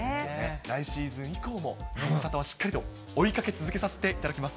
来シーズン以降も、ズムサタはしっかりと追いかけ続けさせていただきます。